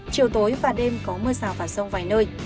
chiều tối và đêm có mưa rào và rông vài nơi